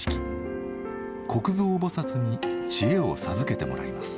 虚空蔵菩に知恵を授けてもらいます。